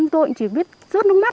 tôi cũng chỉ biết rớt nước mắt